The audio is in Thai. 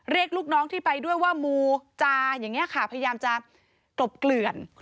ลูกน้องที่ไปด้วยว่ามูจาอย่างนี้ค่ะพยายามจะกลบเกลื่อน